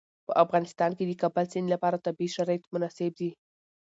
په افغانستان کې د د کابل سیند لپاره طبیعي شرایط مناسب دي.